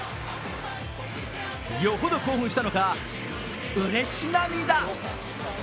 よほど興奮したのかうれし涙。